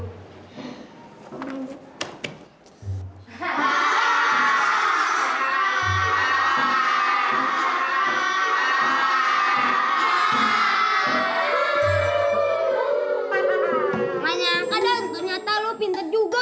kebayangkan ternyata lu pinter juga